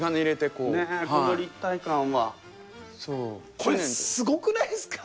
これは重くないですね。